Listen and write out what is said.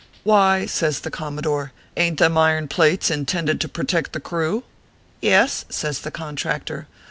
" Why/ 7 says the commodore, " ain t them iron plates intended to protect the crew ?"" Yes/ says the contractor.